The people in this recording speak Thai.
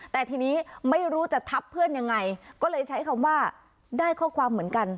แต่ทีนี้ไม่รู้จะทับเพื่อนยังไงก็เลยใช้คำว่าได้ข้อความเหมือนกัน